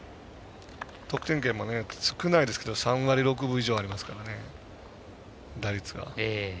得点圏も少ないですけれども３割６分以上ありますからね打率が。